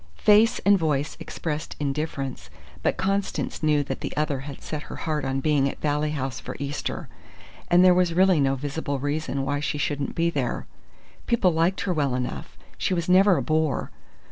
Face and voice expressed indifference; but Constance knew that the other had set her heart on being at Valley House for Easter; and there was really no visible reason why she shouldn't be there. People liked her well enough: she was never a bore.